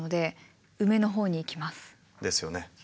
ですよね。